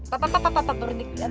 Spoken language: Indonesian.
bapak bapak bapak bapak bapak bapak